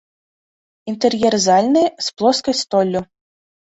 Інтэр'ер зальны з плоскай столлю.